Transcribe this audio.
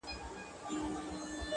• چا بچي غېږ کي نیول کراروله ,